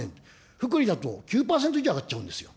ふくりだと９％以上上がっちゃうんですよ。